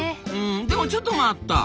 でもちょっと待った。